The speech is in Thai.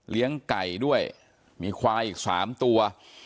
ไก่ด้วยมีควายอีก๓ตัว